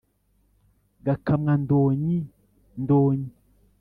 gakamwa donyi donyi